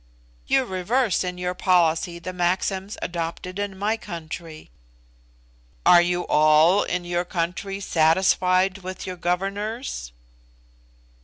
"You reverse in your policy the maxims adopted in my country." "Are you all, in your country, satisfied with your governors?"